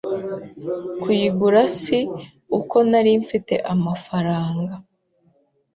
Kuyigura si uko narimfite amafaranga,